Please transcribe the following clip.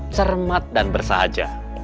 cermat dan bersahaja